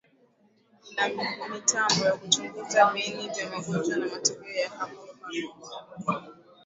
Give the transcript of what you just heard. Kuna mitambo ya kuchunguza viini vya magonjwa na matokeo ya papo hapo